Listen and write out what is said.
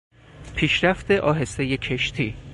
پیشرفت آهستهی کشتی